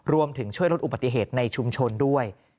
รวมถึงช่วยลดอุบัติเหตุในชุมชนด้วย